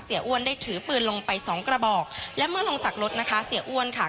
อ้วนได้ถือปืนลงไปสองกระบอกและเมื่อลงจากรถนะคะเสียอ้วนค่ะ